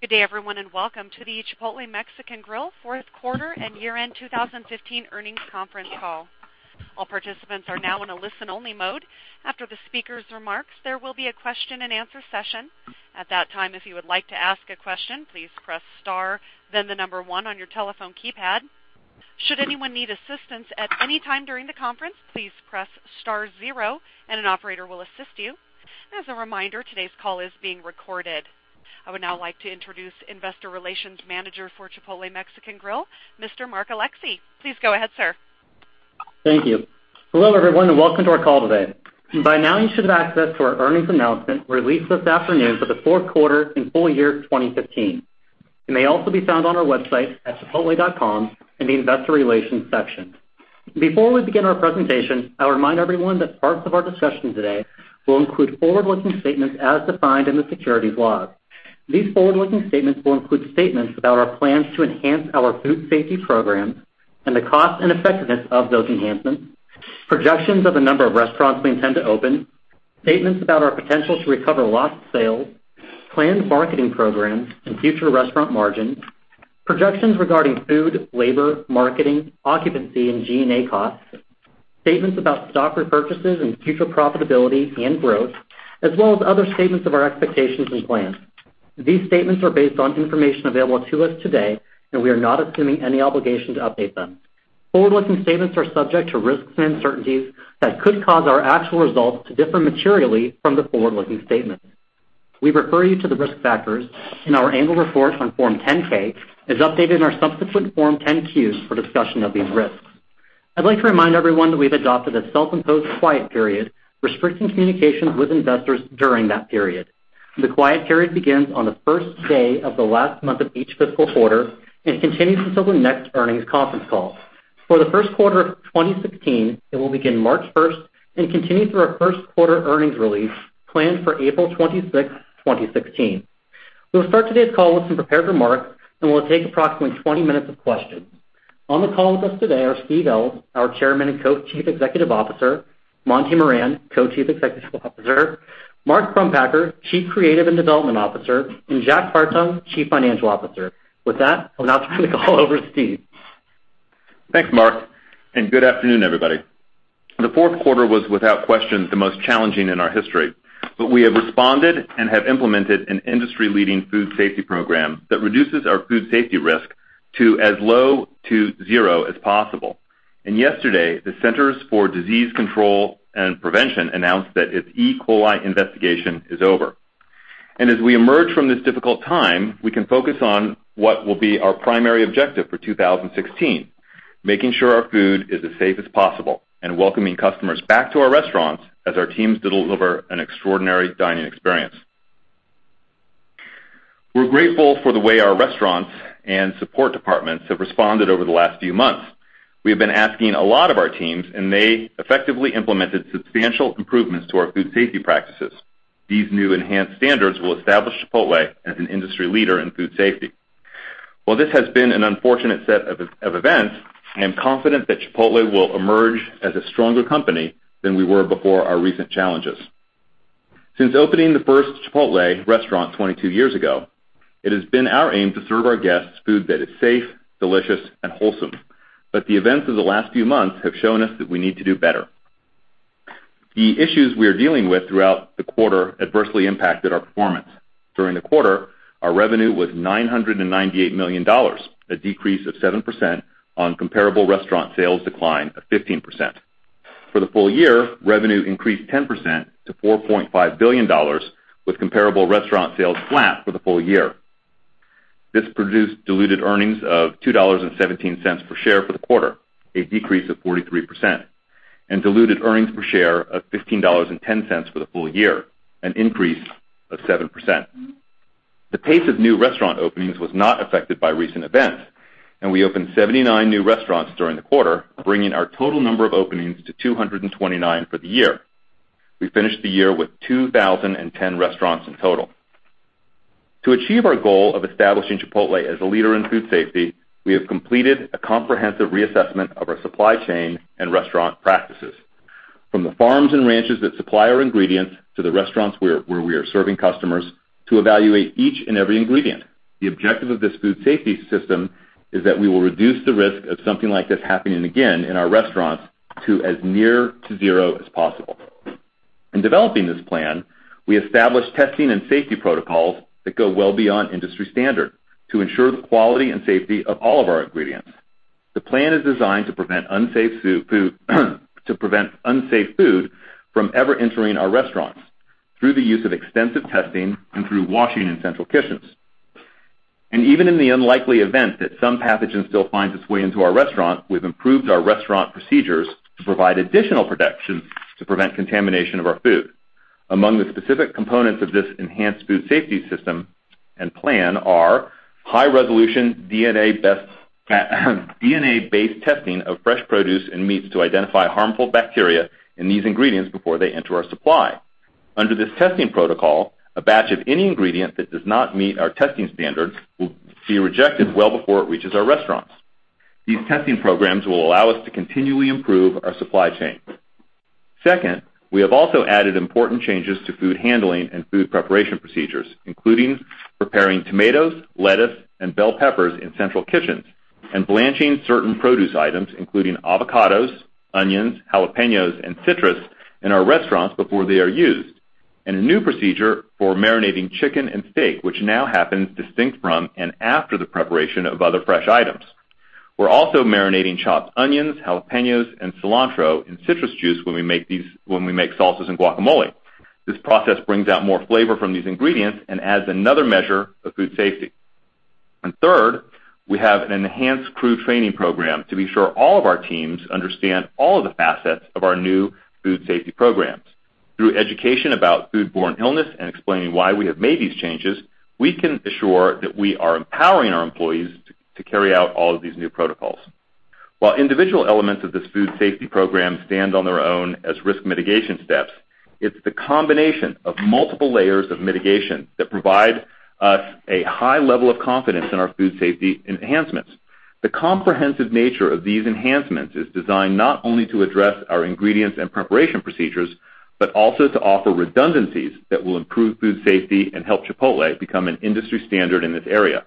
Good day everyone, and welcome to the Chipotle Mexican Grill fourth quarter and year-end 2015 earnings conference call. All participants are now in a listen-only mode. After the speaker's remarks, there will be a question and answer session. At that time, if you would like to ask a question, please press star then the number 1 on your telephone keypad. Should anyone need assistance at any time during the conference, please press star 0 and an operator will assist you. As a reminder, today's call is being recorded. I would now like to introduce Investor Relations Manager for Chipotle Mexican Grill, Mr. Mark Alexee. Please go ahead, sir. Thank you. Hello everyone and welcome to our call today. By now you should have access to our earnings announcement released this afternoon for the fourth quarter and full year 2015. It may also be found on our website at chipotle.com in the investor relations section. Before we begin our presentation, I'll remind everyone that parts of our discussion today will include forward-looking statements as defined in the securities laws. These forward-looking statements will include statements about our plans to enhance our food safety programs and the cost and effectiveness of those enhancements, projections of the number of restaurants we intend to open, statements about our potential to recover lost sales, planned marketing programs and future restaurant margins, projections regarding food, labor, marketing, occupancy, and G&A costs, statements about stock repurchases and future profitability and growth, as well as other statements of our expectations and plans. These statements are based on information available to us today, and we are not assuming any obligation to update them. Forward-looking statements are subject to risks and uncertainties that could cause our actual results to differ materially from the forward-looking statements. We refer you to the risk factors in our annual report on Form 10-K, as updated in our subsequent Form 10-Qs for discussion of these risks. I'd like to remind everyone that we've adopted a self-imposed quiet period, restricting communications with investors during that period. The quiet period begins on the first day of the last month of each fiscal quarter and continues until the next earnings conference call. For the first quarter of 2016, it will begin March 1st and continue through our first quarter earnings release planned for April 26, 2016. We'll start today's call with some prepared remarks and we'll take approximately 20 minutes of questions. On the call with us today are Steve Ells, our chairman and co-chief executive officer, Monty Moran, co-chief executive officer, Mark Crumpacker, chief creative and development officer, and Jack Hartung, chief financial officer. With that, I'll now turn the call over to Steve. Thanks Mark. Good afternoon everybody. The fourth quarter was without question, the most challenging in our history. We have responded and have implemented an industry-leading food safety program that reduces our food safety risk to as low to zero as possible. Yesterday, the Centers for Disease Control and Prevention announced that its E. coli investigation is over. As we emerge from this difficult time, we can focus on what will be our primary objective for 2016, making sure our food is as safe as possible and welcoming customers back to our restaurants as our teams deliver an extraordinary dining experience. We're grateful for the way our restaurants and support departments have responded over the last few months. We have been asking a lot of our teams and they effectively implemented substantial improvements to our food safety practices. These new enhanced standards will establish Chipotle as an industry leader in food safety. While this has been an unfortunate set of events, I am confident that Chipotle will emerge as a stronger company than we were before our recent challenges. Since opening the first Chipotle restaurant 22 years ago, it has been our aim to serve our guests food that is safe, delicious, and wholesome. The events of the last few months have shown us that we need to do better. The issues we are dealing with throughout the quarter adversely impacted our performance. During the quarter, our revenue was $998 million, a decrease of 7% on comparable restaurant sales decline of 15%. For the full year, revenue increased 10% to $4.5 billion with comparable restaurant sales flat for the full year. This produced diluted earnings of $2.17 per share for the quarter, a decrease of 43%, and diluted earnings per share of $15.10 for the full year, an increase of 7%. The pace of new restaurant openings was not affected by recent events. We opened 79 new restaurants during the quarter, bringing our total number of openings to 229 for the year. We finished the year with 2,010 restaurants in total. To achieve our goal of establishing Chipotle as a leader in food safety, we have completed a comprehensive reassessment of our supply chain and restaurant practices. From the farms and ranches that supply our ingredients to the restaurants where we are serving customers to evaluate each and every ingredient. The objective of this food safety system is that we will reduce the risk of something like this happening again in our restaurants to as near to zero as possible. In developing this plan, we established testing and safety protocols that go well beyond industry standard to ensure the quality and safety of all of our ingredients. The plan is designed to prevent unsafe food from ever entering our restaurants through the use of extensive testing and through washing in central kitchens. Even in the unlikely event that some pathogen still finds its way into our restaurant, we've improved our restaurant procedures to provide additional protections to prevent contamination of our food. Among the specific components of this enhanced food safety system and plan are high resolution DNA-based testing of fresh produce and meats to identify harmful bacteria in these ingredients before they enter our supply. Under this testing protocol, a batch of any ingredient that does not meet our testing standards will be rejected well before it reaches our restaurants. These testing programs will allow us to continually improve our supply chain. Second, we have also added important changes to food handling and food preparation procedures, including preparing tomatoes, lettuce, and bell peppers in central kitchens, and blanching certain produce items, including avocados, onions, jalapenos, and citrus in our restaurants before they are used. A new procedure for marinating chicken and steak, which now happens distinct from and after the preparation of other fresh items. We're also marinating chopped onions, jalapenos, and cilantro in citrus juice when we make salsas and guacamole. This process brings out more flavor from these ingredients and adds another measure of food safety. Third, we have an enhanced crew training program to be sure all of our teams understand all of the facets of our new food safety programs. Through education about foodborne illness and explaining why we have made these changes, we can assure that we are empowering our employees to carry out all of these new protocols. While individual elements of this food safety program stand on their own as risk mitigation steps, it's the combination of multiple layers of mitigation that provide us a high level of confidence in our food safety enhancements. The comprehensive nature of these enhancements is designed not only to address our ingredients and preparation procedures, but also to offer redundancies that will improve food safety and help Chipotle become an industry standard in this area.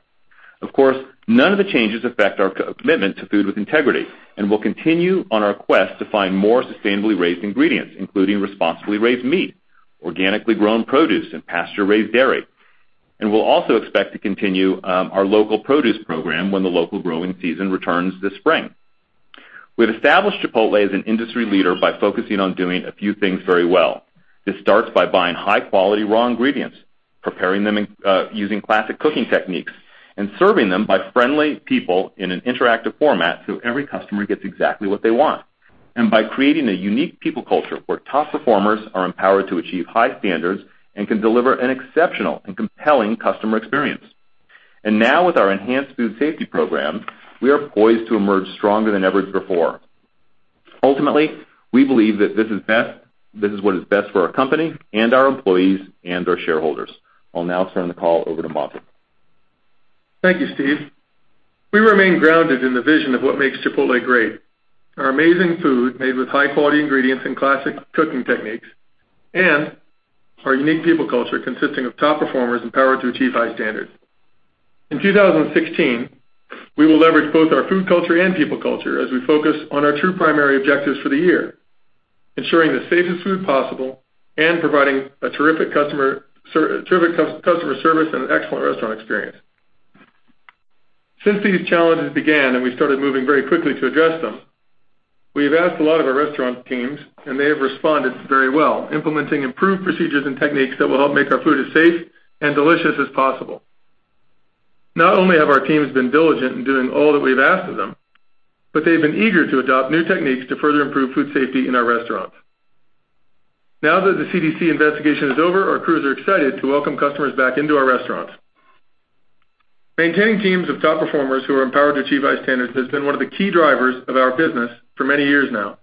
Of course, none of the changes affect our commitment to Food With Integrity. We'll continue on our quest to find more sustainably raised ingredients, including responsibly raised meat, organically grown produce, and pasture-raised dairy. We'll also expect to continue our local produce program when the local growing season returns this spring. We've established Chipotle as an industry leader by focusing on doing a few things very well. This starts by buying high-quality raw ingredients, preparing them using classic cooking techniques, and serving them by friendly people in an interactive format so every customer gets exactly what they want. By creating a unique people culture where top performers are empowered to achieve high standards and can deliver an exceptional and compelling customer experience. Now with our enhanced food safety program, we are poised to emerge stronger than ever before. Ultimately, we believe that this is what is best for our company and our employees and our shareholders. I'll now turn the call over to Monty. Thank you, Steve. We remain grounded in the vision of what makes Chipotle great. Our amazing food made with high-quality ingredients and classic cooking techniques, and our unique people culture consisting of top performers empowered to achieve high standards. In 2016, we will leverage both our food culture and people culture as we focus on our two primary objectives for the year: ensuring the safest food possible and providing a terrific customer service and an excellent restaurant experience. Since these challenges began, and we started moving very quickly to address them, we've asked a lot of our restaurant teams, and they have responded very well, implementing improved procedures and techniques that will help make our food as safe and delicious as possible. Not only have our teams been diligent in doing all that we've asked of them, but they've been eager to adopt new techniques to further improve food safety in our restaurants. Now that the CDC investigation is over, our crews are excited to welcome customers back into our restaurants. Maintaining teams of top performers who are empowered to achieve high standards has been one of the key drivers of our business for many years now.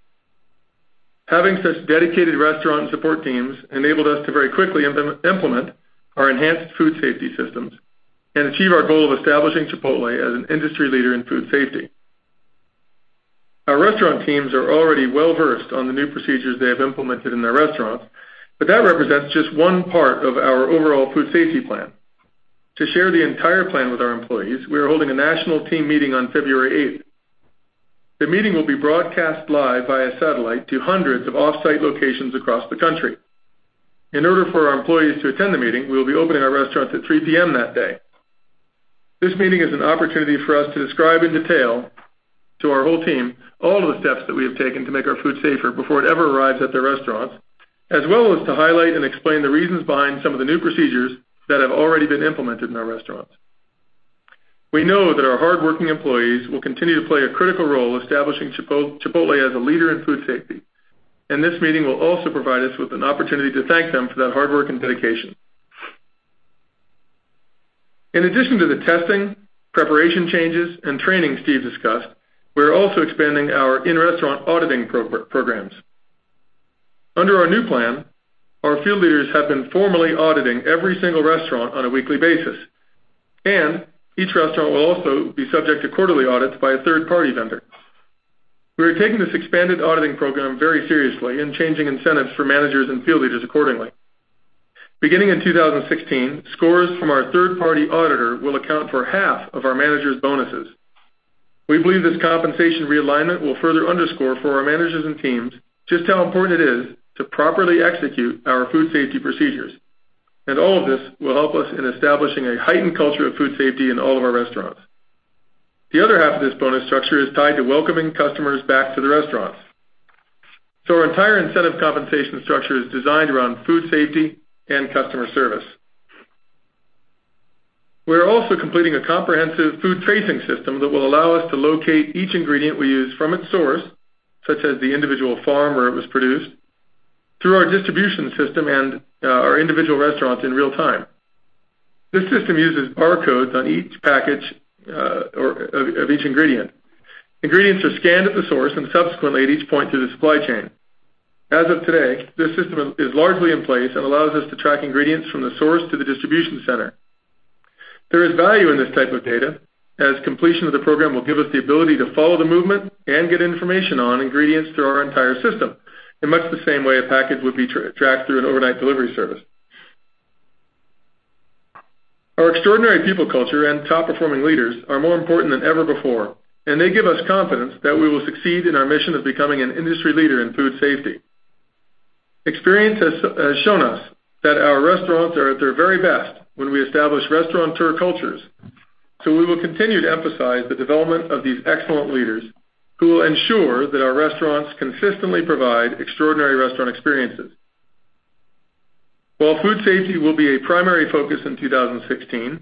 Having such dedicated restaurant support teams enabled us to very quickly implement our enhanced food safety systems and achieve our goal of establishing Chipotle as an industry leader in food safety. Our restaurant teams are already well-versed on the new procedures they have implemented in their restaurants, but that represents just one part of our overall food safety plan. To share the entire plan with our employees, we are holding a national team meeting on February 8th. The meeting will be broadcast live via satellite to hundreds of off-site locations across the country. In order for our employees to attend the meeting, we will be opening our restaurants at 3:00 P.M. that day. This meeting is an opportunity for us to describe in detail to our whole team all of the steps that we have taken to make our food safer before it ever arrives at their restaurants, as well as to highlight and explain the reasons behind some of the new procedures that have already been implemented in our restaurants. We know that our hardworking employees will continue to play a critical role establishing Chipotle as a leader in food safety, this meeting will also provide us with an opportunity to thank them for that hard work and dedication. In addition to the testing, preparation changes, and training Steve discussed, we're also expanding our in-restaurant auditing programs. Under our new plan, our field leaders have been formally auditing every single restaurant on a weekly basis, and each restaurant will also be subject to quarterly audits by a third-party vendor. We are taking this expanded auditing program very seriously and changing incentives for managers and field leaders accordingly. Beginning in 2016, scores from our third-party auditor will account for half of our managers' bonuses. We believe this compensation realignment will further underscore for our managers and teams just how important it is to properly execute our food safety procedures. All of this will help us in establishing a heightened culture of food safety in all of our restaurants. The other half of this bonus structure is tied to welcoming customers back to the restaurants. Our entire incentive compensation structure is designed around food safety and customer service. We're also completing a comprehensive food tracing system that will allow us to locate each ingredient we use from its source, such as the individual farm where it was produced, through our distribution system and our individual restaurants in real time. This system uses barcodes on each package of each ingredient. Ingredients are scanned at the source and subsequently at each point through the supply chain. As of today, this system is largely in place and allows us to track ingredients from the source to the distribution center. There is value in this type of data, as completion of the program will give us the ability to follow the movement and get information on ingredients through our entire system, in much the same way a package would be tracked through an overnight delivery service. Our extraordinary people culture and top-performing leaders are more important than ever before, and they give us confidence that we will succeed in our mission of becoming an industry leader in food safety. Experience has shown us that our restaurants are at their very best when we establish restaurateur cultures. We will continue to emphasize the development of these excellent leaders, who will ensure that our restaurants consistently provide extraordinary restaurant experiences. While food safety will be a primary focus in 2016,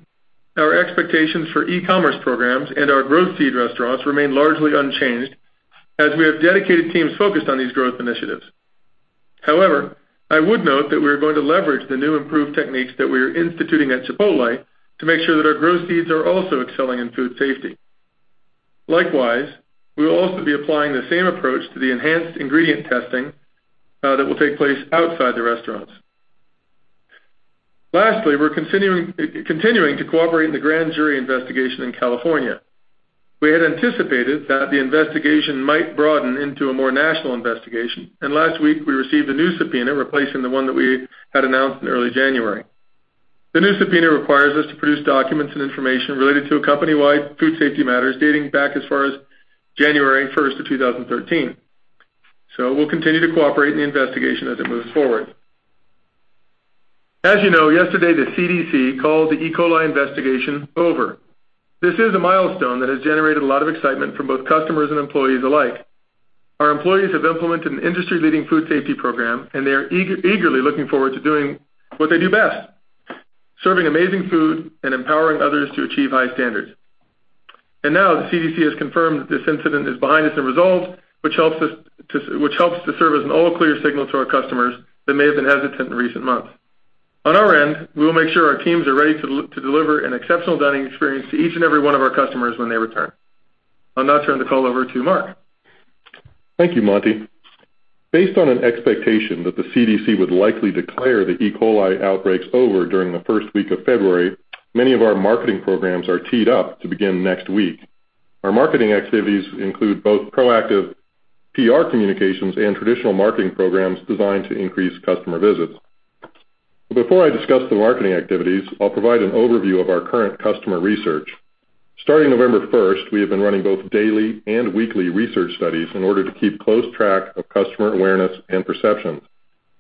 our expectations for e-commerce programs and our growth seed restaurants remain largely unchanged, as we have dedicated teams focused on these growth initiatives. However, I would note that we are going to leverage the new improved techniques that we are instituting at Chipotle to make sure that our growth seeds are also excelling in food safety. Likewise, we will also be applying the same approach to the enhanced ingredient testing that will take place outside the restaurants. Lastly, we're continuing to cooperate in the grand jury investigation in California. We had anticipated that the investigation might broaden into a more national investigation, and last week we received a new subpoena replacing the one that we had announced in early January. The new subpoena requires us to produce documents and information related to company-wide food safety matters dating back as far as January 1st of 2013. We'll continue to cooperate in the investigation as it moves forward. As you know, yesterday the CDC called the E. coli investigation over. This is a milestone that has generated a lot of excitement from both customers and employees alike. Our employees have implemented an industry-leading food safety program, and they are eagerly looking forward to doing what they do best: serving amazing food and empowering others to achieve high standards. Now the CDC has confirmed that this incident is behind us and resolved, which helps to serve as an all-clear signal to our customers that may have been hesitant in recent months. On our end, we will make sure our teams are ready to deliver an exceptional dining experience to each and every one of our customers when they return. I'll now turn the call over to Mark. Thank you, Monty. Based on an expectation that the CDC would likely declare the E. coli outbreaks over during the first week of February, many of our marketing programs are teed up to begin next week. Our marketing activities include both proactive PR communications and traditional marketing programs designed to increase customer visits. Before I discuss the marketing activities, I'll provide an overview of our current customer research. Starting November 1st, we have been running both daily and weekly research studies in order to keep close track of customer awareness and perceptions.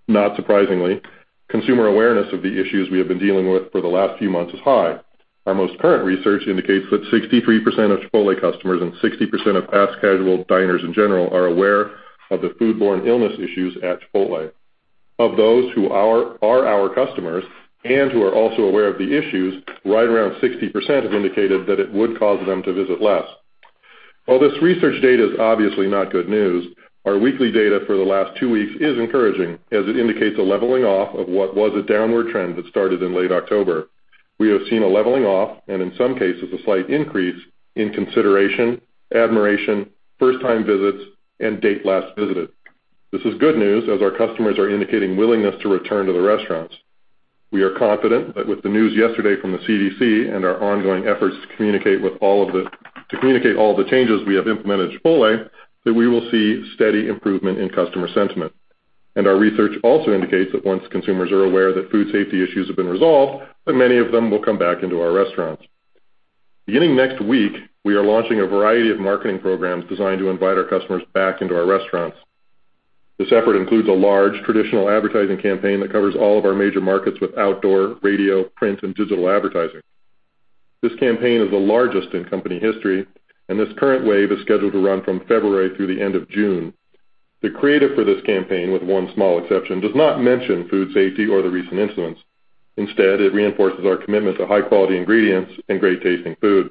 Not surprisingly, consumer awareness of the issues we have been dealing with for the last few months is high. Our most current research indicates that 63% of Chipotle customers and 60% of fast casual diners in general are aware of the foodborne illness issues at Chipotle. Of those who are our customers and who are also aware of the issues, right around 60% have indicated that it would cause them to visit less. While this research data is obviously not good news, our weekly data for the last two weeks is encouraging, as it indicates a leveling off of what was a downward trend that started in late October. We have seen a leveling off, and in some cases a slight increase, in consideration, admiration, first-time visits, and date last visited. This is good news, as our customers are indicating willingness to return to the restaurants. We are confident that with the news yesterday from the CDC and our ongoing efforts to communicate all the changes we have implemented at Chipotle, that we will see steady improvement in customer sentiment. Our research also indicates that once consumers are aware that food safety issues have been resolved, that many of them will come back into our restaurants. Beginning next week, we are launching a variety of marketing programs designed to invite our customers back into our restaurants. This effort includes a large traditional advertising campaign that covers all of our major markets with outdoor, radio, print, and digital advertising. This campaign is the largest in company history, and this current wave is scheduled to run from February through the end of June. The creative for this campaign, with one small exception, does not mention food safety or the recent incidents. Instead, it reinforces our commitment to high-quality ingredients and great-tasting food.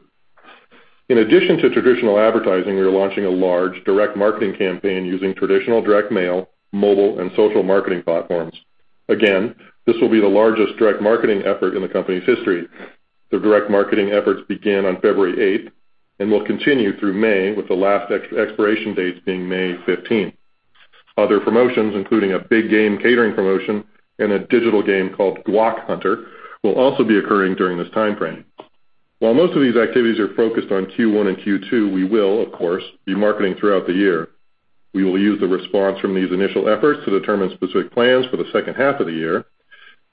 In addition to traditional advertising, we are launching a large direct marketing campaign using traditional direct mail, mobile, and social marketing platforms. Again, this will be the largest direct marketing effort in the company's history. The direct marketing efforts begin on February 8th and will continue through May, with the last expiration dates being May 15th. Other promotions, including a big game catering promotion and a digital game called Guac Hunter, will also be occurring during this timeframe. While most of these activities are focused on Q1 and Q2, we will, of course, be marketing throughout the year. We will use the response from these initial efforts to determine specific plans for the second half of the year.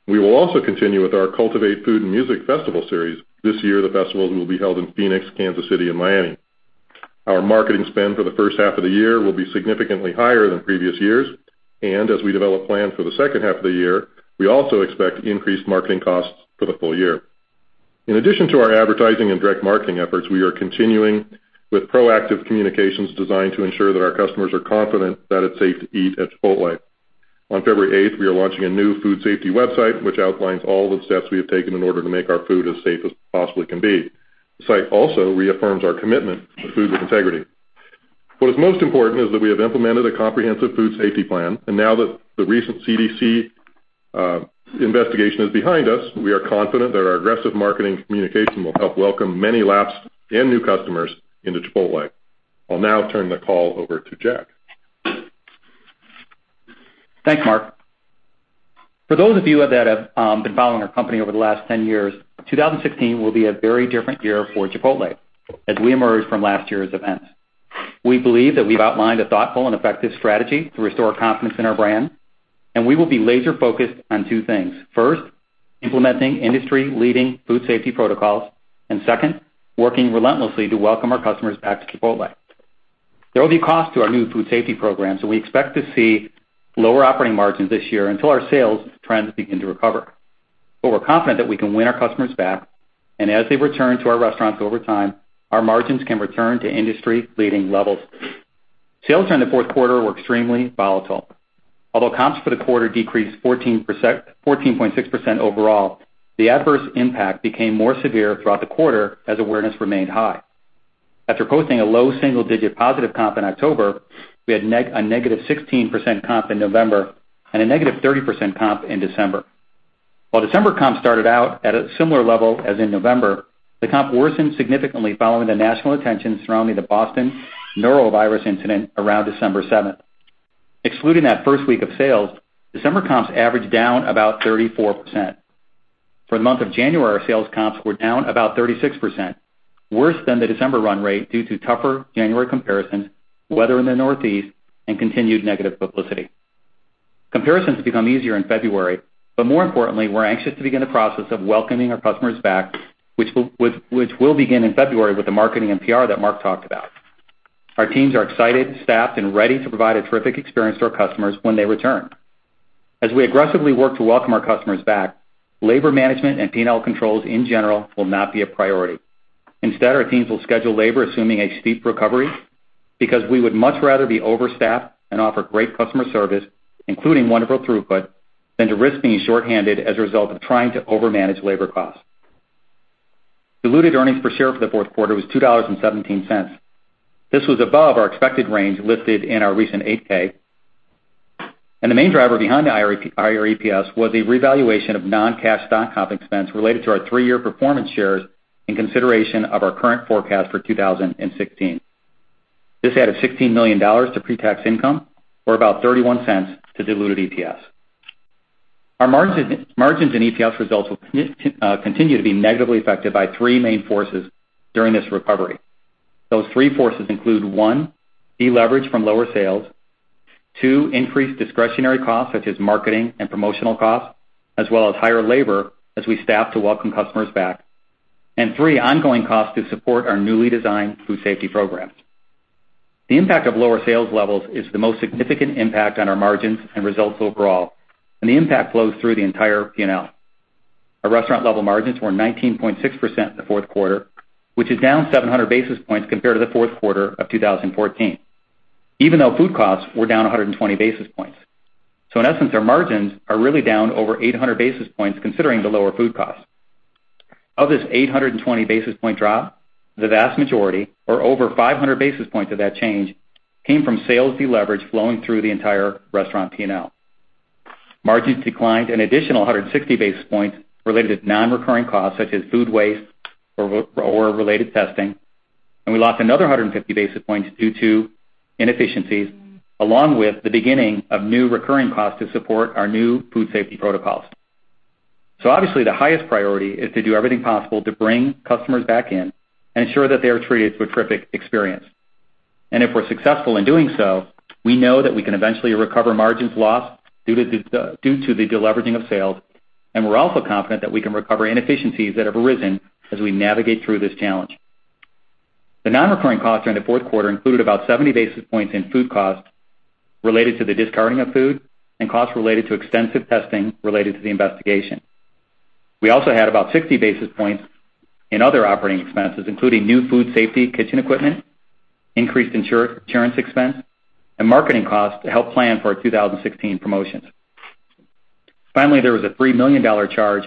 We will also continue with our Cultivate food and music festival series. This year, the festivals will be held in Phoenix, Kansas City, and Miami. Our marketing spend for the first half of the year will be significantly higher than previous years. As we develop plans for the second half of the year, we also expect increased marketing costs for the full year. In addition to our advertising and direct marketing efforts, we are continuing with proactive communications designed to ensure that our customers are confident that it's safe to eat at Chipotle. On February 8th, we are launching a new food safety website, which outlines all the steps we have taken in order to make our food as safe as it possibly can be. The site also reaffirms our commitment to Food With Integrity. What is most important is that we have implemented a comprehensive food safety plan. Now that the recent CDC investigation is behind us, we are confident that our aggressive marketing communication will help welcome many lapsed and new customers into Chipotle. I'll now turn the call over to Jack. Thanks, Mark. For those of you that have been following our company over the last 10 years, 2016 will be a very different year for Chipotle as we emerge from last year's events. We believe that we've outlined a thoughtful and effective strategy to restore confidence in our brand. We will be laser-focused on two things. First, implementing industry-leading food safety protocols. Second, working relentlessly to welcome our customers back to Chipotle. There will be costs to our new food safety program. We expect to see lower operating margins this year until our sales trends begin to recover. We're confident that we can win our customers back. As they return to our restaurants over time, our margins can return to industry-leading levels. Sales during the fourth quarter were extremely volatile. Although comps for the quarter decreased 14.6% overall, the adverse impact became more severe throughout the quarter as awareness remained high. After posting a low single-digit positive comp in October, we had a negative 16% comp in November and a negative 30% comp in December. While December comp started out at a similar level as in November, the comp worsened significantly following the national attention surrounding the Boston norovirus incident around December 7th. Excluding that first week of sales, December comps averaged down about 34%. For the month of January, our sales comps were down about 36%, worse than the December run rate due to tougher January comparisons, weather in the Northeast, and continued negative publicity. Comparisons become easier in February. More importantly, we're anxious to begin the process of welcoming our customers back, which will begin in February with the marketing and PR that Mark talked about. Our teams are excited, staffed, and ready to provide a terrific experience to our customers when they return. As we aggressively work to welcome our customers back, labor management and P&L controls in general will not be a priority. Instead, our teams will schedule labor assuming a steep recovery, because we would much rather be overstaffed and offer great customer service, including wonderful throughput, than to risk being shorthanded as a result of trying to overmanage labor costs. Diluted earnings per share for the fourth quarter was $2.17. This was above our expected range listed in our recent 8-K. The main driver behind the higher EPS was a revaluation of non-cash stock comp expense related to our three-year performance shares in consideration of our current forecast for 2016. This added $16 million to pre-tax income, or about $0.31 to diluted EPS. Our margins and EPS results will continue to be negatively affected by three main forces during this recovery. Those three forces include, one, deleverage from lower sales. Two, increased discretionary costs such as marketing and promotional costs, as well as higher labor as we staff to welcome customers back. Three, ongoing costs to support our newly designed food safety programs. The impact of lower sales levels is the most significant impact on our margins and results overall, and the impact flows through the entire P&L. Our restaurant level margins were 19.6% in the fourth quarter, which is down 700 basis points compared to the fourth quarter of 2014, even though food costs were down 120 basis points. In essence, our margins are really down over 800 basis points considering the lower food cost. Of this 820 basis point drop, the vast majority, or over 500 basis points of that change, came from sales deleverage flowing through the entire restaurant P&L. Margins declined an additional 160 basis points related to non-recurring costs such as food waste or related testing. We lost another 150 basis points due to inefficiencies, along with the beginning of new recurring costs to support our new food safety protocols. Obviously, the highest priority is to do everything possible to bring customers back in and ensure that they are treated to a terrific experience. If we're successful in doing so, we know that we can eventually recover margins lost due to the deleveraging of sales. We're also confident that we can recover inefficiencies that have arisen as we navigate through this challenge. The non-recurring costs during the fourth quarter included about 70 basis points in food cost related to the discarding of food and costs related to extensive testing related to the investigation. We also had about 60 basis points in other operating expenses, including new food safety kitchen equipment, increased insurance expense, and marketing costs to help plan for our 2016 promotions. Finally, there was a $3 million charge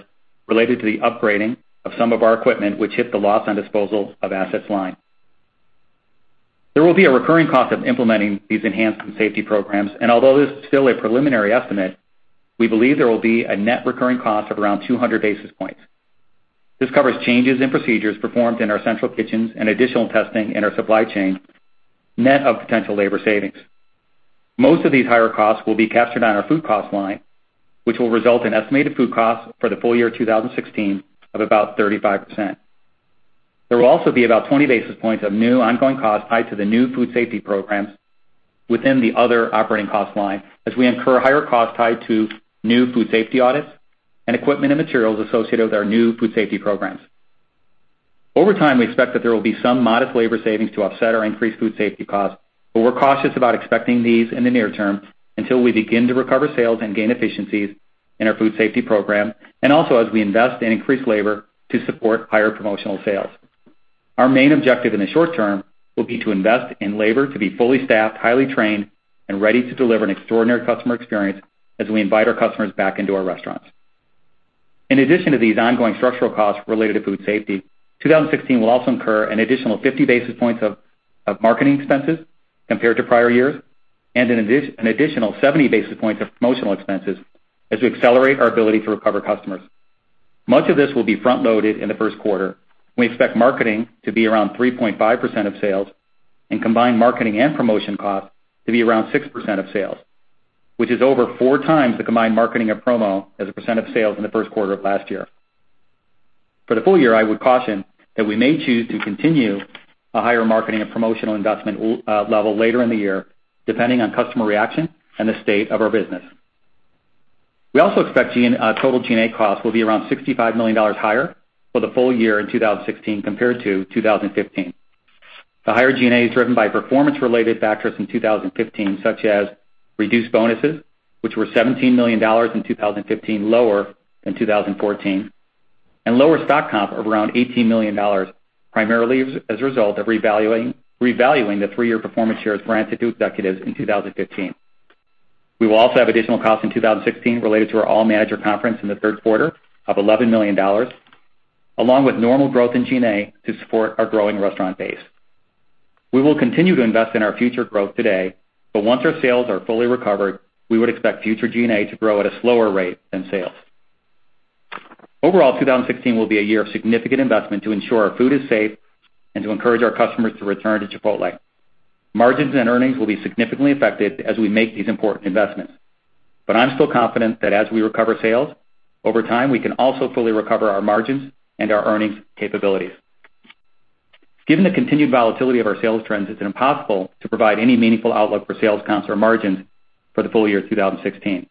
related to the upgrading of some of our equipment, which hit the loss on disposal of assets line. There will be a recurring cost of implementing these enhanced food safety programs, and although this is still a preliminary estimate, we believe there will be a net recurring cost of around 200 basis points. This covers changes in procedures performed in our central kitchens and additional testing in our supply chain, net of potential labor savings. Most of these higher costs will be captured on our food cost line, which will result in estimated food costs for the full year 2016 of about 35%. There will also be about 20 basis points of new ongoing costs tied to the new food safety programs within the other operating cost line as we incur higher costs tied to new food safety audits and equipment and materials associated with our new food safety programs. Over time, we expect that there will be some modest labor savings to offset our increased food safety costs, but we're cautious about expecting these in the near term until we begin to recover sales and gain efficiencies in our food safety program, and also as we invest in increased labor to support higher promotional sales. Our main objective in the short term will be to invest in labor to be fully staffed, highly trained, and ready to deliver an extraordinary customer experience as we invite our customers back into our restaurants. In addition to these ongoing structural costs related to food safety, 2016 will also incur an additional 50 basis points of marketing expenses compared to prior years, and an additional 70 basis points of promotional expenses as we accelerate our ability to recover customers. Much of this will be front-loaded in the first quarter. We expect marketing to be around 3.5% of sales and combined marketing and promotion costs to be around 6% of sales, which is over four times the combined marketing of promo as a percent of sales in the first quarter of last year. For the full year, I would caution that we may choose to continue a higher marketing and promotional investment level later in the year, depending on customer reaction and the state of our business. We also expect total G&A costs will be around $65 million higher for the full year in 2016 compared to 2015. The higher G&A is driven by performance-related factors in 2015, such as reduced bonuses, which were $17 million in 2015, lower than 2014, and lower stock comp of around $18 million, primarily as a result of revaluing the three-year performance shares granted to executives in 2015. We will also have additional costs in 2016 related to our all manager conference in the third quarter of $11 million, along with normal growth in G&A to support our growing restaurant base. We will continue to invest in our future growth today, but once our sales are fully recovered, we would expect future G&A to grow at a slower rate than sales. Overall, 2016 will be a year of significant investment to ensure our food is safe and to encourage our customers to return to Chipotle. Margins and earnings will be significantly affected as we make these important investments. I'm still confident that as we recover sales, over time, we can also fully recover our margins and our earnings capabilities. Given the continued volatility of our sales trends, it's impossible to provide any meaningful outlook for sales comps or margins for the full year 2016.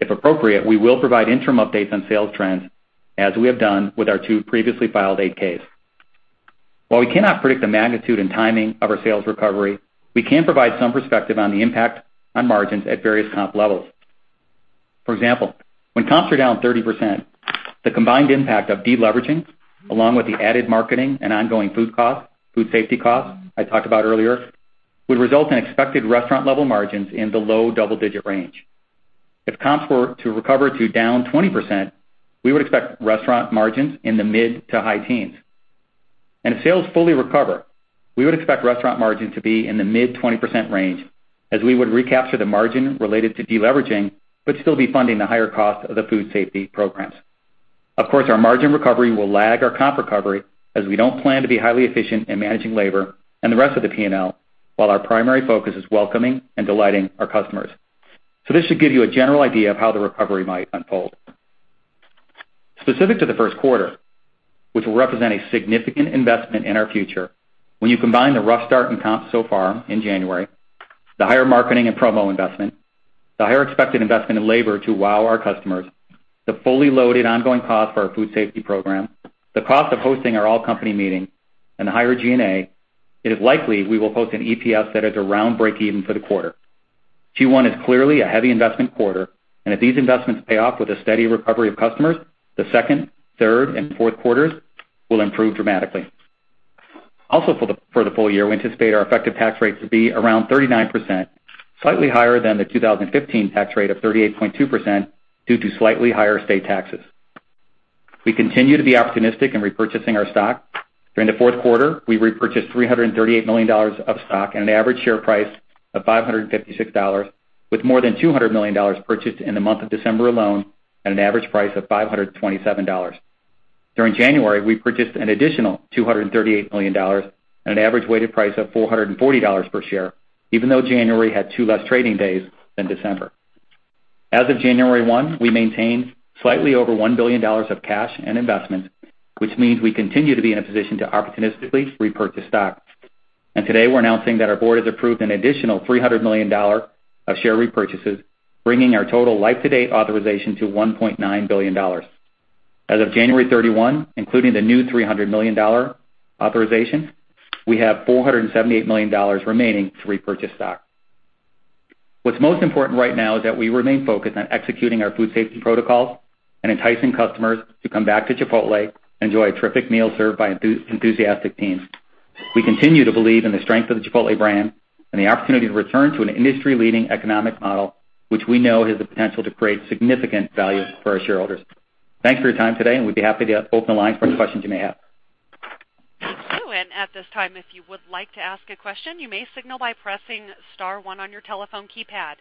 If appropriate, we will provide interim updates on sales trends as we have done with our two previously filed 8-Ks. While we cannot predict the magnitude and timing of our sales recovery, we can provide some perspective on the impact on margins at various comp levels. For example, when comps are down 30%, the combined impact of deleveraging, along with the added marketing and ongoing food safety costs I talked about earlier, would result in expected restaurant level margins in the low double-digit range. If comps were to recover to down 20%, we would expect restaurant margins in the mid to high teens. If sales fully recover, we would expect restaurant margins to be in the mid 20% range as we would recapture the margin related to deleveraging but still be funding the higher cost of the food safety programs. Of course, our margin recovery will lag our comp recovery as we don't plan to be highly efficient in managing labor and the rest of the P&L while our primary focus is welcoming and delighting our customers. This should give you a general idea of how the recovery might unfold. Specific to the first quarter, which will represent a significant investment in our future, when you combine the rough start in comps so far in January, the higher marketing and promo investment, the higher expected investment in labor to wow our customers, the fully loaded ongoing cost for our food safety program, the cost of hosting our all-company meeting, and the higher G&A, it is likely we will post an EPS that is around breakeven for the quarter. Q1 is clearly a heavy investment quarter, if these investments pay off with a steady recovery of customers, the second, third, and fourth quarters will improve dramatically. Also for the full year, we anticipate our effective tax rate to be around 39%, slightly higher than the 2015 tax rate of 38.2% due to slightly higher state taxes. We continue to be optimistic in repurchasing our stock. During the fourth quarter, we repurchased $338 million of stock at an average share price of $556, with more than $200 million purchased in the month of December alone at an average price of $527. During January, we purchased an additional $238 million at an average weighted price of $440 per share, even though January had two less trading days than December. As of January 1, we maintained slightly over $1 billion of cash and investment, which means we continue to be in a position to opportunistically repurchase stock. Today we're announcing that our board has approved an additional $300 million of share repurchases, bringing our total life-to-date authorization to $1.9 billion. As of January 31, including the new $300 million authorization, we have $478 million remaining to repurchase stock. What's most important right now is that we remain focused on executing our food safety protocols and enticing customers to come back to Chipotle, enjoy a terrific meal served by enthusiastic teams. We continue to believe in the strength of the Chipotle brand and the opportunity to return to an industry-leading economic model, which we know has the potential to create significant value for our shareholders. Thanks for your time today, and we'd be happy to open the lines for questions you may have. Thank you. At this time, if you would like to ask a question, you may signal by pressing *1 on your telephone keypad.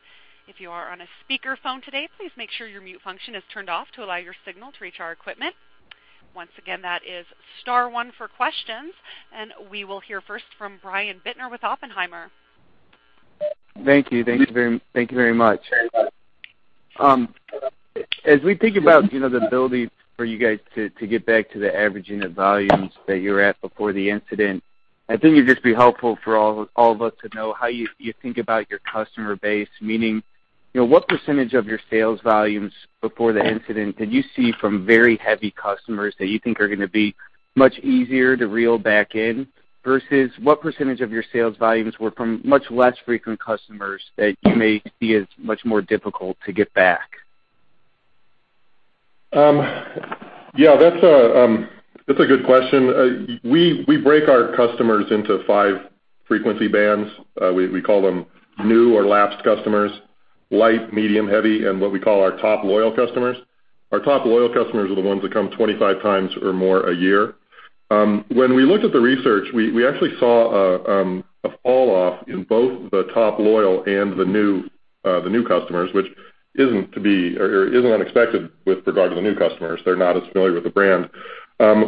If you are on a speakerphone today, please make sure your mute function is turned off to allow your signal to reach our equipment. Once again, that is *1 for questions, and we will hear first from Brian Bittner with Oppenheimer. Thank you. Thank you very much. As we think about the ability for you guys to get back to the average unit volumes that you were at before the incident, I think it'd just be helpful for all of us to know how you think about your customer base, meaning what % of your sales volumes before the incident did you see from very heavy customers that you think are going to be much easier to reel back in? Versus what % of your sales volumes were from much less frequent customers that you may see as much more difficult to get back? Yeah. That's a good question. We break our customers into five frequency bands. We call them new or lapsed customers, light, medium, heavy, and what we call our top loyal customers. Our top loyal customers are the ones that come 25 times or more a year. When we looked at the research, we actually saw a fall-off in both the top loyal and the new customers, which isn't unexpected with regard to the new customers. They're not as familiar with the brand.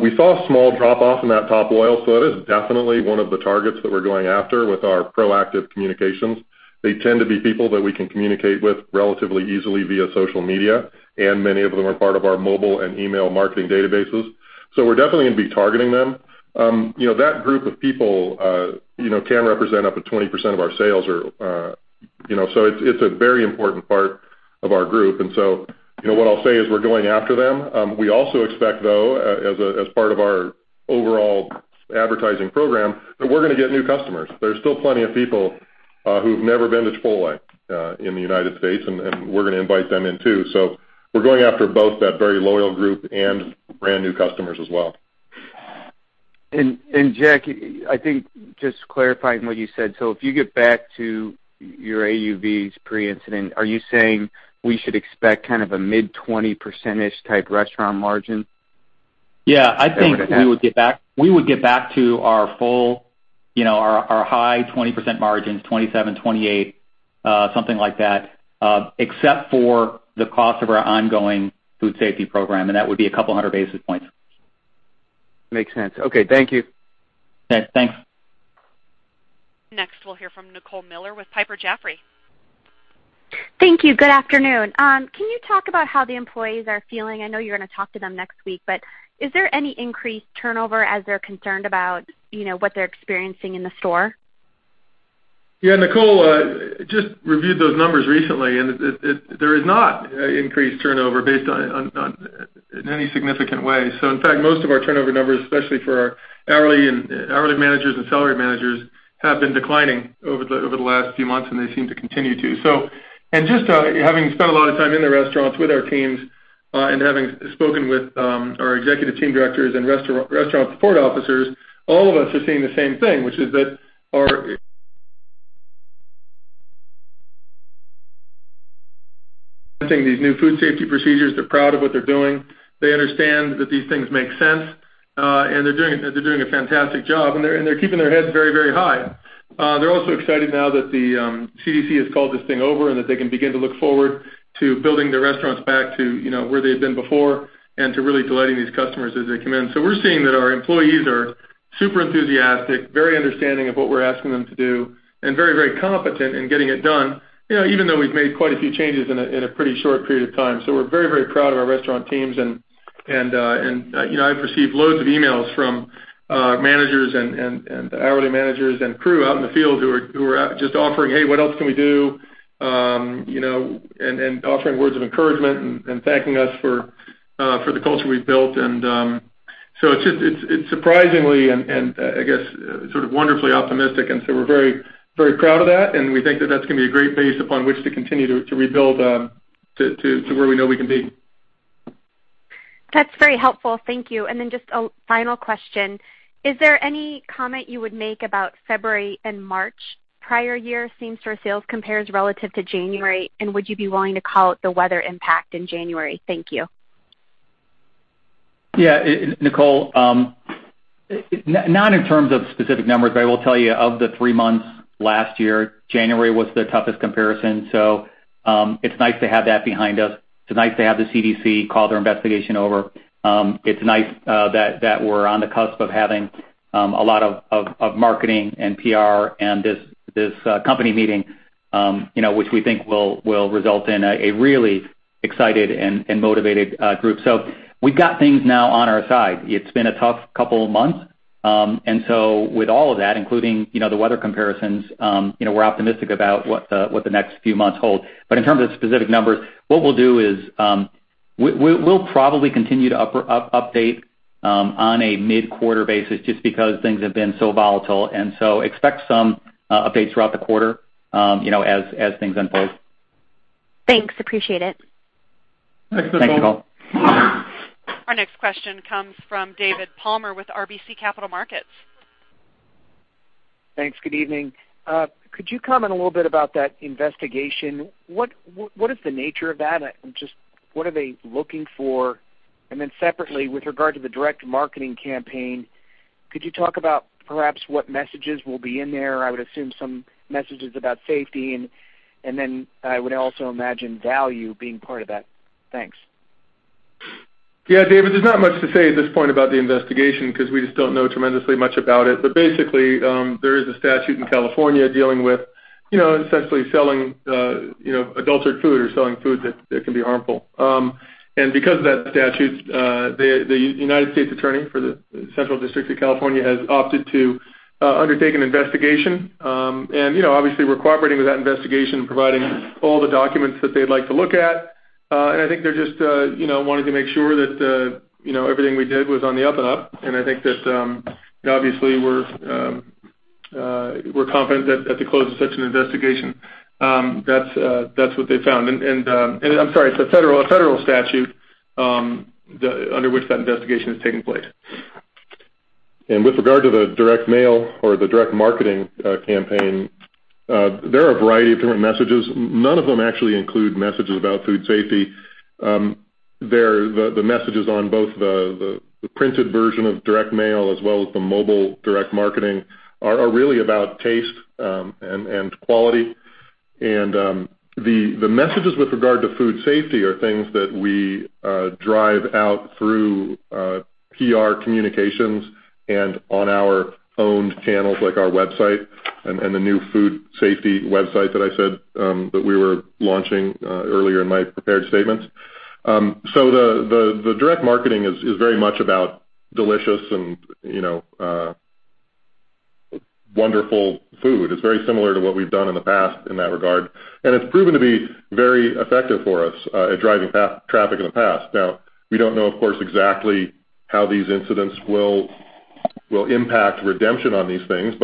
We saw a small drop-off in that top loyal. That is definitely one of the targets that we're going after with our proactive communications. They tend to be people that we can communicate with relatively easily via social media, and many of them are part of our mobile and email marketing databases. We're definitely going to be targeting them. That group of people can represent up to 20% of our sales, so it's a very important part of our group. What I'll say is we're going after them. We also expect, though, as part of our overall advertising program, that we're going to get new customers. There's still plenty of people who've never been to Chipotle in the U.S., and we're going to invite them in, too. We're going after both that very loyal group and brand new customers as well. Jack, I think just clarifying what you said. If you get back to your AUVs pre-incident, are you saying we should expect kind of a mid 20%-ish type restaurant margin? Yeah, I think we would get back to our high 20% margins, 27, 28, something like that, except for the cost of our ongoing food safety program, that would be a couple of hundred basis points. Makes sense. Okay. Thank you. Thanks. Next, we'll hear from Nicole Miller with Piper Jaffray. Thank you. Good afternoon. Can you talk about how the employees are feeling? I know you're going to talk to them next week, is there any increased turnover as they're concerned about what they're experiencing in the store? Yeah, Nicole, just reviewed those numbers recently. There is not increased turnover based on, in any significant way. In fact, most of our turnover numbers, especially for our hourly managers and salaried managers, have been declining over the last few months. They seem to continue to. Just having spent a lot of time in the restaurants with our teams and having spoken with our executive team directors and restaurant support officers, all of us are seeing the same thing, which is that these new food safety procedures. They're proud of what they're doing. They understand that these things make sense. They're doing a fantastic job, and they're keeping their heads very high. They're also excited now that the CDC has called this thing over, that they can begin to look forward to building the restaurants back to where they had been before and to really delighting these customers as they come in. We're seeing that our employees are super enthusiastic, very understanding of what we're asking them to do, and very competent in getting it done, even though we've made quite a few changes in a pretty short period of time. We're very proud of our restaurant teams, and I've received loads of emails from managers and hourly managers and crew out in the field who are just offering, "Hey, what else can we do?" Offering words of encouragement and thanking us for the culture we've built. It's surprisingly and, I guess, sort of wonderfully optimistic. We're very proud of that, and we think that that's going to be a great base upon which to continue to rebuild to where we know we can be. That's very helpful. Thank you. Just a final question. Is there any comment you would make about February and March prior year same store sales compares relative to January? Would you be willing to call out the weather impact in January? Thank you. Yeah, Nicole, not in terms of specific numbers, but I will tell you, of the three months last year, January was the toughest comparison. It's nice to have that behind us. It's nice to have the CDC call their investigation over. It's nice that we're on the cusp of having a lot of marketing and PR and this company meeting which we think will result in a really excited and motivated group. We've got things now on our side. It's been a tough couple of months. With all of that, including the weather comparisons, we're optimistic about what the next few months hold. In terms of specific numbers, what we'll do is, we'll probably continue to update on a mid-quarter basis just because things have been so volatile, expect some updates throughout the quarter as things unfold. Thanks. Appreciate it. Thanks, Nicole. Thanks. Our next question comes from David Palmer with RBC Capital Markets. Thanks. Good evening. Could you comment a little bit about that investigation? What is the nature of that? What are they looking for? Separately, with regard to the direct marketing campaign, could you talk about perhaps what messages will be in there? I would assume some messages about safety, and then I would also imagine value being part of that. Thanks. Yeah, David, there's not much to say at this point about the investigation because we just don't know tremendously much about it. Basically, there is a statute in California dealing with essentially selling adulterated food or selling food that can be harmful. Because of that statute, the United States Attorney for the Central District of California has opted to undertake an investigation. Obviously we're cooperating with that investigation and providing all the documents that they'd like to look at. I think they're just wanting to make sure that everything we did was on the up and up. I think that obviously we're confident that at the close of such an investigation, that's what they found. I'm sorry, it's a federal statute under which that investigation is taking place. With regard to the direct mail or the direct marketing campaign There are a variety of different messages. None of them actually include messages about food safety. The messages on both the printed version of direct mail as well as the mobile direct marketing are really about taste and quality. The messages with regard to food safety are things that we drive out through PR communications and on our own channels, like our website and the new food safety website that I said that we were launching earlier in my prepared statements. The direct marketing is very much about delicious and wonderful food. It's very similar to what we've done in the past in that regard, and it's proven to be very effective for us at driving traffic in the past. We don't know, of course, exactly how these incidents will impact redemption on these things.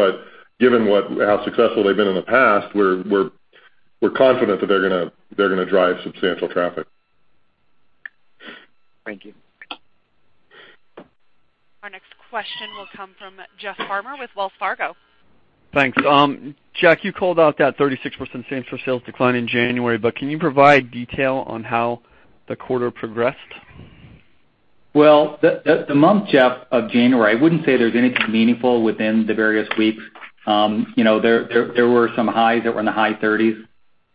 Given how successful they've been in the past, we're confident that they're going to drive substantial traffic. Thank you. Our next question will come from Jeff Farmer with Wells Fargo. Thanks. Jack, you called out that 36% same-store sales decline in January, can you provide detail on how the quarter progressed? Well, the month, Jeff, of January, I wouldn't say there's anything meaningful within the various weeks. There were some highs that were in the high 30s.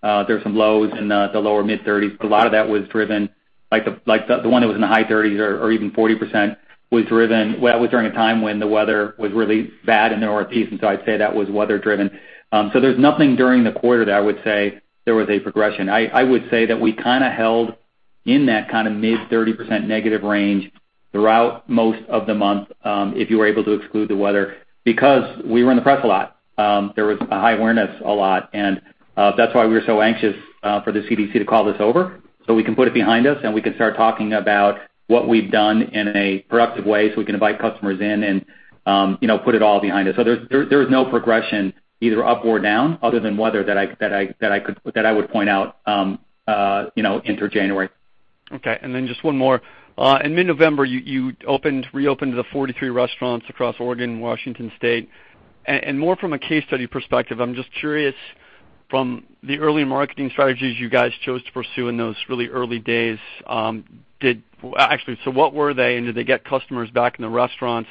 There were some lows in the lower mid-30s. A lot of that was driven, like the one that was in the high 30s or even 40%, that was during a time when the weather was really bad in the Northeast, and so I'd say that was weather driven. There's nothing during the quarter that I would say there was a progression. I would say that we kind of held in that mid-30% negative range throughout most of the month, if you were able to exclude the weather, because we were in the press a lot. There was a high awareness a lot. That's why we were so anxious for the CDC to call this over so we can put it behind us, and we can start talking about what we've done in a productive way so we can invite customers in and put it all behind us. There was no progression either up or down other than weather that I would point out inter-January. Okay. Just one more. In mid-November, you reopened the 43 restaurants across Oregon and Washington State. More from a case study perspective, I'm just curious from the early marketing strategies you guys chose to pursue in those really early days, actually. What were they, and did they get customers back in the restaurants?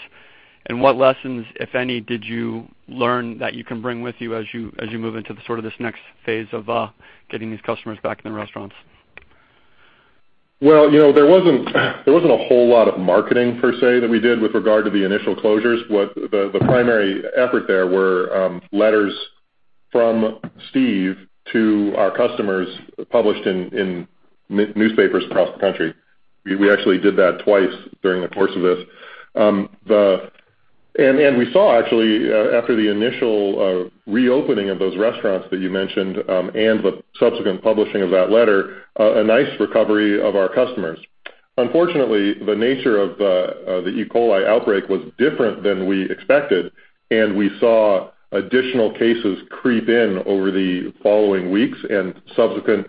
What lessons, if any, did you learn that you can bring with you as you move into this next phase of getting these customers back in the restaurants? Well, there wasn't a whole lot of marketing per se that we did with regard to the initial closures. The primary effort there were letters from Steve to our customers, published in newspapers across the country. We actually did that twice during the course of this. We saw, actually, after the initial reopening of those restaurants that you mentioned, and the subsequent publishing of that letter, a nice recovery of our customers. Unfortunately, the nature of the E. coli outbreak was different than we expected, and we saw additional cases creep in over the following weeks and subsequent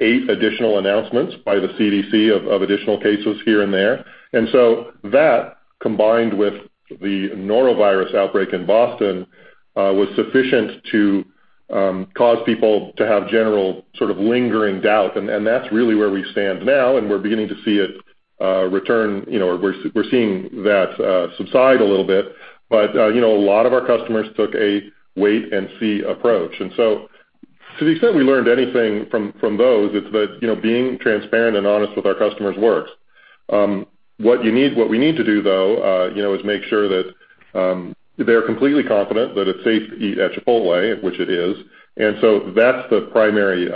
eight additional announcements by the CDC of additional cases here and there. That, combined with the norovirus outbreak in Boston, was sufficient to cause people to have general sort of lingering doubt. That's really where we stand now, and we're beginning to see it return. We're seeing that subside a little bit. A lot of our customers took a wait and see approach. To the extent we learned anything from those, it's that being transparent and honest with our customers works. What we need to do, though, is make sure that they're completely confident that it's safe to eat at Chipotle, which it is. That's the primary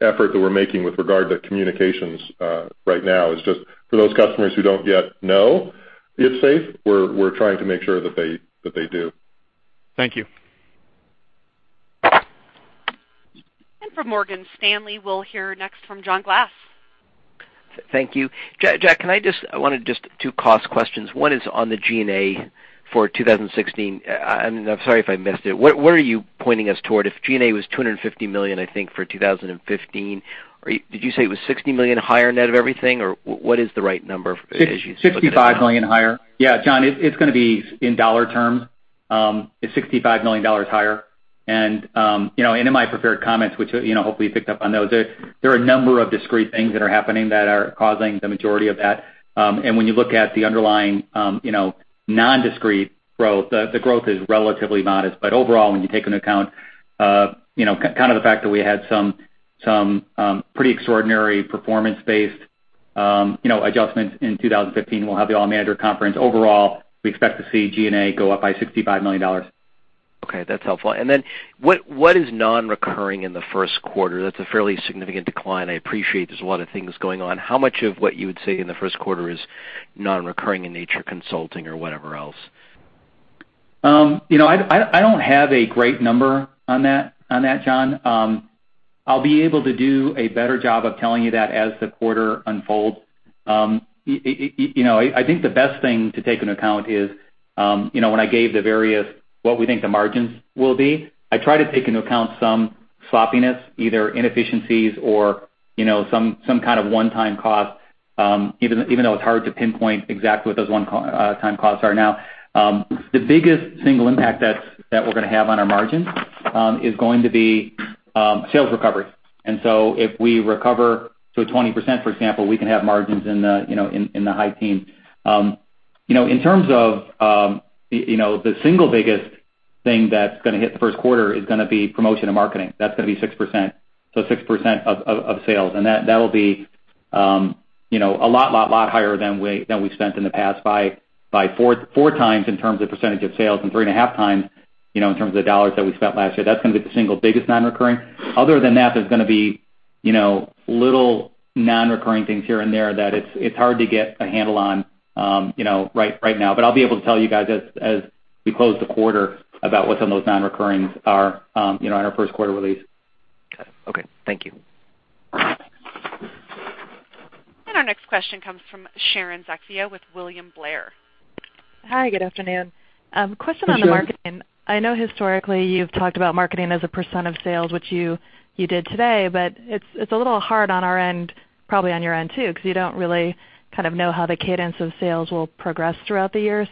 effort that we're making with regard to communications right now, is just for those customers who don't yet know it's safe, we're trying to make sure that they do. Thank you. From Morgan Stanley, we'll hear next from John Glass. Thank you. Jack, two cost questions. One is on the G&A for 2016. I'm sorry if I missed it. Where are you pointing us toward? If G&A was $250 million, I think, for 2015, did you say it was $60 million higher net of everything, or what is the right number as you look at it now? $65 million higher. Yeah, John, it's going to be in dollar terms. It's $65 million higher. In my prepared comments, which hopefully you picked up on those, there are a number of discrete things that are happening that are causing the majority of that. When you look at the underlying non-discrete growth, the growth is relatively modest. Overall, when you take into account the fact that we had some pretty extraordinary performance-based adjustments in 2015, we'll have the all manager conference. Overall, we expect to see G&A go up by $65 million. Okay, that's helpful. What is non-recurring in the first quarter? That's a fairly significant decline. I appreciate there's a lot of things going on. How much of what you would say in the first quarter is non-recurring in nature, consulting or whatever else? I don't have a great number on that, John. I'll be able to do a better job of telling you that as the quarter unfolds. I think the best thing to take into account is when I gave the various, what we think the margins will be. I try to take into account some sloppiness, either inefficiencies or some kind of one-time cost. Even though it's hard to pinpoint exactly what those one-time costs are now. The biggest single impact that we're going to have on our margins is going to be sales recovery. If we recover to 20%, for example, we can have margins in the high teens. In terms of the single biggest thing that's going to hit the first quarter is going to be promotion and marketing. That's going to be 6%, so 6% of sales. That'll be a lot higher than we've spent in the past by four times in terms of percentage of sales and three and a half times, in terms of the dollars that we spent last year. That's going to be the single biggest non-recurring. Other than that, there's going to be little non-recurring things here and there that it's hard to get a handle on right now. I'll be able to tell you guys as we close the quarter about what some of those non-recurrents are, in our first quarter release. Got it. Okay. Thank you. Our next question comes from Sharon Zackfia with William Blair. Hi, good afternoon. Good afternoon. Question on the marketing. I know historically you've talked about marketing as a % of sales, which you did today, but it's a little hard on our end, probably on your end too, because you don't really kind of know how the cadence of sales will progress throughout the year.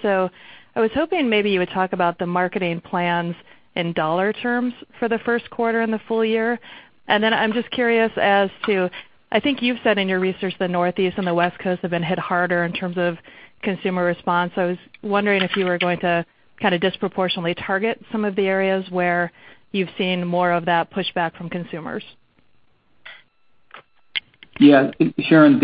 I was hoping maybe you would talk about the marketing plans in dollar terms for the first quarter and the full year. I'm just curious as to, I think you've said in your research, the Northeast and the West Coast have been hit harder in terms of consumer response. I was wondering if you were going to kind of disproportionately target some of the areas where you've seen more of that pushback from consumers. Yeah. Sharon,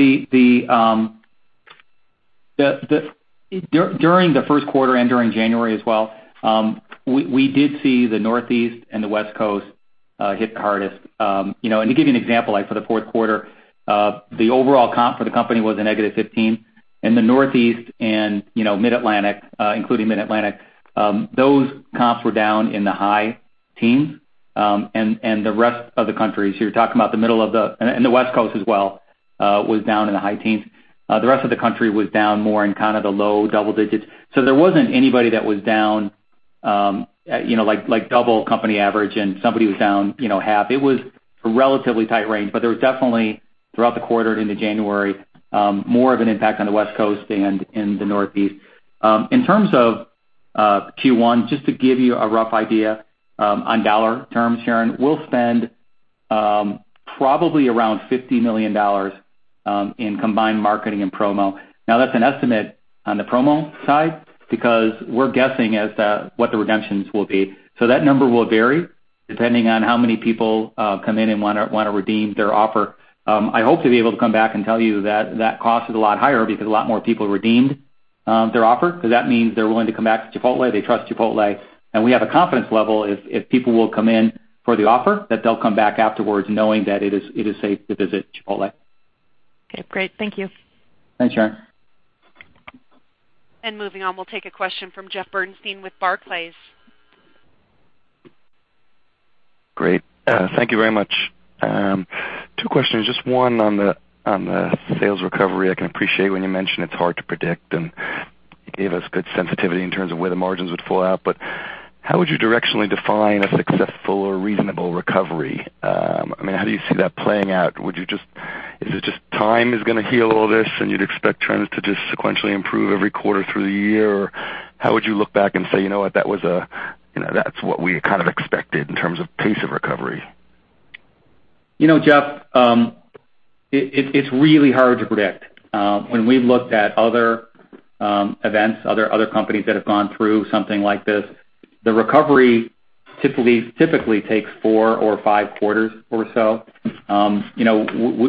during the first quarter and during January as well, we did see the Northeast and the West Coast hit the hardest. To give you an example, for the fourth quarter, the overall comp for the company was a negative 15%. In the Northeast and Mid-Atlantic, including Mid-Atlantic, those comps were down in the high teens. The West Coast as well, was down in the high teens. The rest of the country was down more in kind of the low double digits. There wasn't anybody that was down double company average and somebody was down half. It was a relatively tight range, but there was definitely, throughout the quarter into January, more of an impact on the West Coast and in the Northeast. In terms of Q1, just to give you a rough idea, on dollar terms, Sharon, we'll spend probably around $50 million in combined marketing and promo. That's an estimate on the promo side because we're guessing as to what the redemptions will be. That number will vary depending on how many people come in and want to redeem their offer. I hope to be able to come back and tell you that that cost is a lot higher because a lot more people redeemed their offer, because that means they're willing to come back to Chipotle, they trust Chipotle, and we have a confidence level if people will come in for the offer, that they'll come back afterwards knowing that it is safe to visit Chipotle. Okay, great. Thank you. Thanks, Sharon. Moving on, we'll take a question from Jeffrey Bernstein with Barclays. Great. Thank you very much. Two questions. Just one on the sales recovery. I can appreciate when you mention it's hard to predict, and you gave us good sensitivity in terms of where the margins would fall out. How would you directionally define a successful or reasonable recovery? How do you see that playing out? Is it just time is going to heal all this, and you'd expect trends to just sequentially improve every quarter through the year? How would you look back and say, "You know what? That's what we kind of expected in terms of pace of recovery. Jeff, it's really hard to predict. When we've looked at other events, other companies that have gone through something like this, the recovery typically takes four or five quarters or so.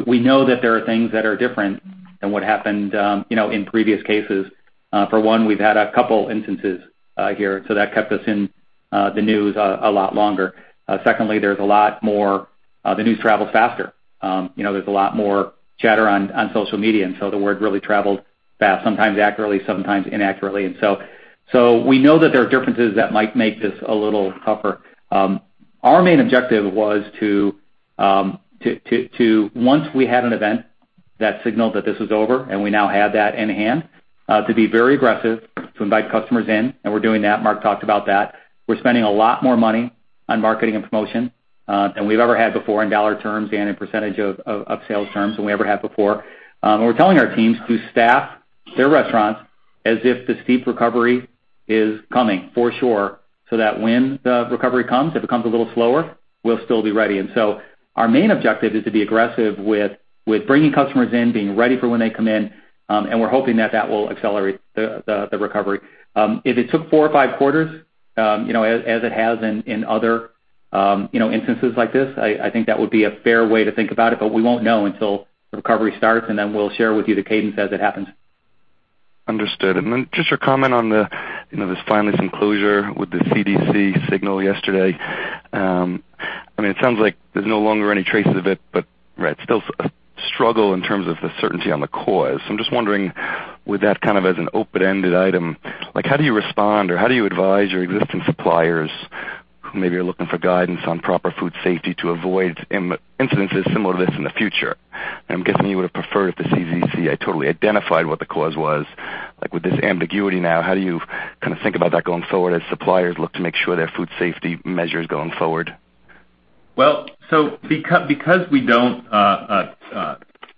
We know that there are things that are different than what happened in previous cases. For one, we've had a couple instances here, so that kept us in the news a lot longer. Secondly, the news travels faster. There's a lot more chatter on social media, so the word really traveled fast, sometimes accurately, sometimes inaccurately. We know that there are differences that might make this a little tougher. Our main objective was to, once we had an event that signaled that this was over, and we now have that in hand, to be very aggressive, to invite customers in, and we're doing that. Mark talked about that. We're spending a lot more money on marketing and promotion than we've ever had before in dollar terms and in percentage of sales terms than we ever have before. We're telling our teams to staff their restaurants as if the steep recovery is coming for sure, so that when the recovery comes, if it comes a little slower, we'll still be ready. Our main objective is to be aggressive with bringing customers in, being ready for when they come in, and we're hoping that that will accelerate the recovery. If it took four or five quarters, as it has in other instances like this, I think that would be a fair way to think about it. We won't know until the recovery starts, then we'll share with you the cadence as it happens. Understood. Just your comment on this final conclusion with the CDC signal yesterday. It sounds like there's no longer any traces of it, but still a struggle in terms of the certainty on the cause. I'm just wondering, with that kind of as an open-ended item, how do you respond or how do you advise your existing suppliers who maybe are looking for guidance on proper food safety to avoid incidences similar to this in the future? I'm guessing you would have preferred if the CDC had totally identified what the cause was. With this ambiguity now, how do you kind of think about that going forward as suppliers look to make sure their food safety measures going forward? Because we don't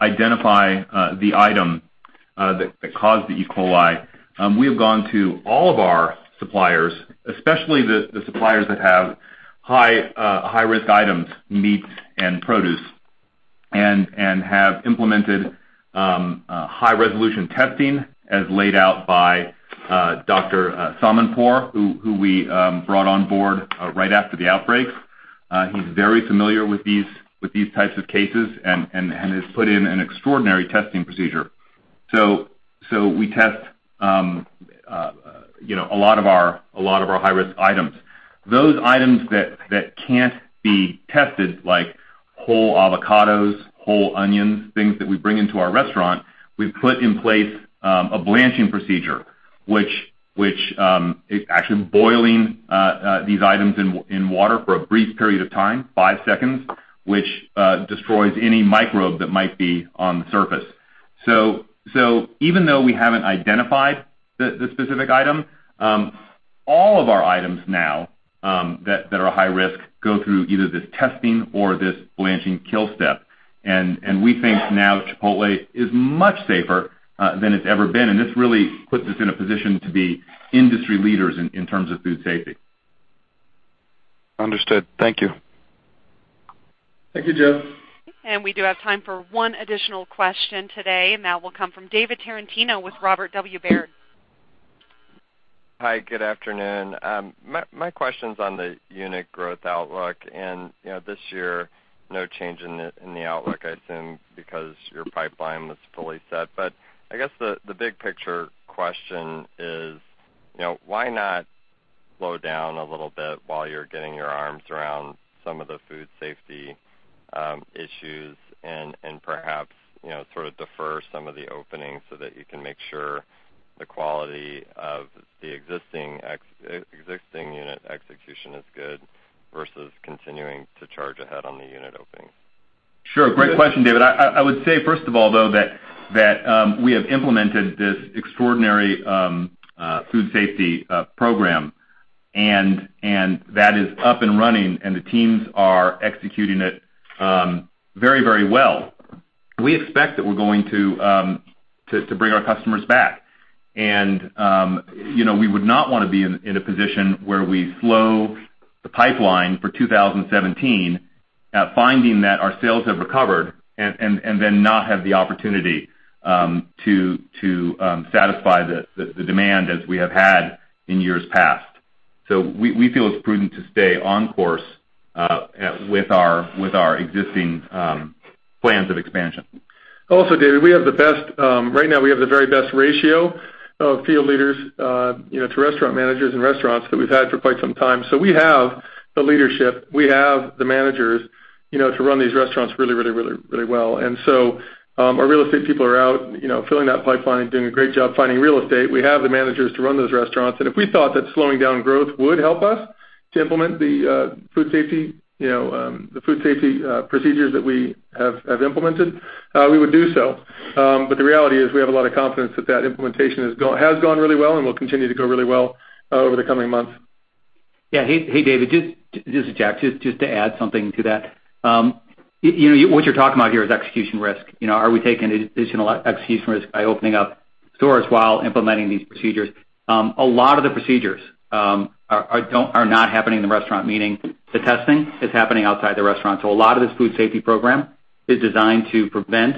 identify the item that caused the E. coli, we have gone to all of our suppliers, especially the suppliers that have high-risk items, meat and produce, and have implemented high-resolution testing as laid out by Dr. Samadpour, who we brought on board right after the outbreak. He's very familiar with these types of cases and has put in an extraordinary testing procedure. We test a lot of our high-risk items. Those items that can't be tested, like whole avocados, whole onions, things that we bring into our restaurant, we've put in place a blanching procedure, which is actually boiling these items in water for a brief period of time, five seconds, which destroys any microbe that might be on the surface. Even though we haven't identified the specific item, all of our items now that are high risk go through either this testing or this blanching kill step. We think now that Chipotle is much safer than it's ever been, and this really puts us in a position to be industry leaders in terms of food safety. Understood. Thank you. Thank you, Jeff. We do have time for one additional question today, and that will come from David Tarantino with Robert W. Baird. Hi, good afternoon. My question's on the unit growth outlook. This year, no change in the outlook, I assume, because your pipeline was fully set. I guess the big picture question is why not slow down a little bit while you're getting your arms around some of the food safety issues and perhaps sort of defer some of the openings so that you can make sure the quality of the existing unit execution is good versus continuing to charge ahead on the unit openings? Sure. Great question, David. I would say, first of all, though, that we have implemented this extraordinary food safety program, and that is up and running, and the teams are executing it very well. We expect that we're going to bring our customers back. We would not want to be in a position where we slow the pipeline for 2017, finding that our sales have recovered and then not have the opportunity to satisfy the demand as we have had in years past. We feel it's prudent to stay on course with our existing plans of expansion. David, right now we have the very best ratio of field leaders to restaurant managers in restaurants that we've had for quite some time. We have the leadership, we have the managers to run these restaurants really well. Our real estate people are out filling that pipeline, doing a great job finding real estate. We have the managers to run those restaurants. If we thought that slowing down growth would help us to implement the food safety procedures that we have implemented, we would do so. The reality is we have a lot of confidence that implementation has gone really well and will continue to go really well over the coming months. Hey, David, this is Jack. Just to add something to that. What you're talking about here is execution risk. Are we taking additional execution risk by opening up stores while implementing these procedures? A lot of the procedures are not happening in the restaurant, meaning the testing is happening outside the restaurant. A lot of this food safety program is designed to prevent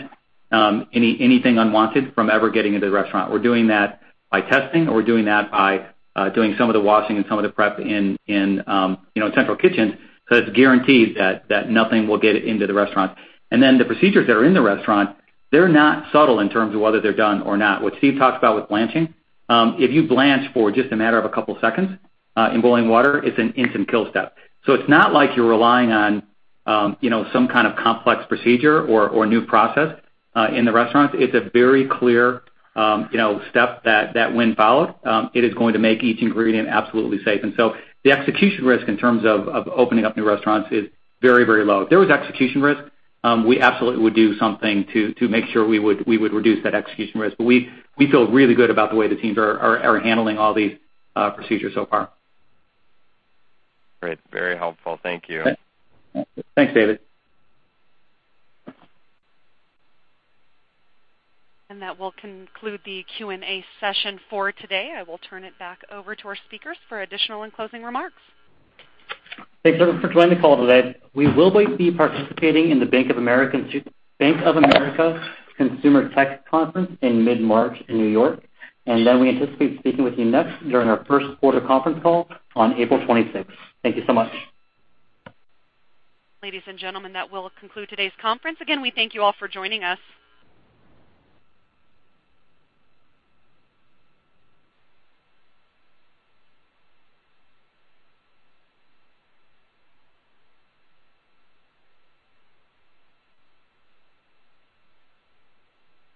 anything unwanted from ever getting into the restaurant. We're doing that by testing, or we're doing that by doing some of the washing and some of the prep in central kitchen, so it's guaranteed that nothing will get into the restaurant. The procedures that are in the restaurant, they're not subtle in terms of whether they're done or not. What Steve talked about with blanching, if you blanch for just a matter of a couple seconds in boiling water, it's an instant kill step. It's not like you're relying on some kind of complex procedure or new process in the restaurants. It's a very clear step that when followed, it is going to make each ingredient absolutely safe. The execution risk in terms of opening up new restaurants is very low. If there was execution risk, we absolutely would do something to make sure we would reduce that execution risk. We feel really good about the way the teams are handling all these procedures so far. Great. Very helpful. Thank you. Thanks, David. That will conclude the Q&A session for today. I will turn it back over to our speakers for additional and closing remarks. Thanks, everyone, for joining the call today. We will be participating in the Bank of America Consumer Tech Conference in mid-March in New York, and then we anticipate speaking with you next during our first quarter conference call on April 26th. Thank you so much. Ladies and gentlemen, that will conclude today's conference. Again, we thank you all for joining us.